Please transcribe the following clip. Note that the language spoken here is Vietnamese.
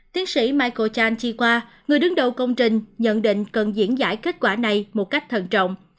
tiến sĩ micro chan chi qua người đứng đầu công trình nhận định cần diễn giải kết quả này một cách thần trọng